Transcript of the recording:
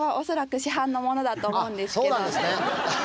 そうなんですね。